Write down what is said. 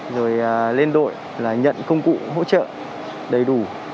rồi lên đội là nhận công cụ hỗ trợ đầy đủ